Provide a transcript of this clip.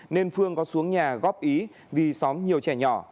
nên phương có xuống nhà góp ý vì xóm nhiều trẻ nhỏ